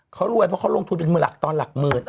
เขารวยเพราะเขาลงทุนเป็นมือหลักตอนหลักหมื่น